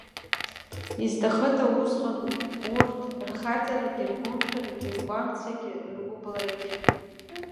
Изҭахыда усҟан урҭ рхаҵарагьы, ргәымшәарагьы, ргәамцагьы, ргәыбылрагьы?